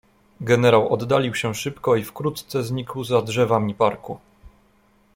"Generał oddalił się szybko i wkrótce znikł za drzewami parku."